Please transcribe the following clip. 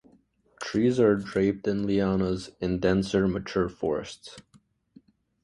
Trees are draped in lianas in denser, mature forests.